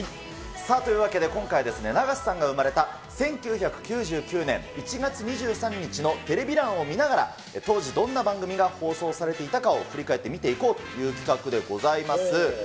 さあ、というわけで今回、永瀬さんが生まれた１９９９年１月２３日のテレビ欄を見ながら、当時、どんな番組が放送されていたかを振り返って見ていこうという企画でございます。